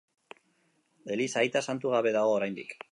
Eliza aita santu gabe dago oraindik.